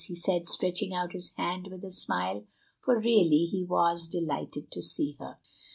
he said, stretching out his hand with a smile, for really he was delighted to see her.